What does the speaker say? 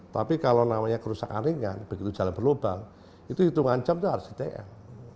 tapi kalau namanya kerusakan ringan begitu jalan berlubang itu hitungan jam itu harus di tm